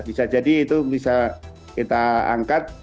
bisa jadi itu bisa kita angkat